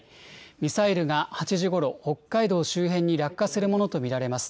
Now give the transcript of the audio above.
ミサイルが８時ごろ、北海道周辺に落下するものと見られます。